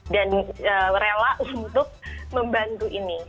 dan rela untuk membantu ini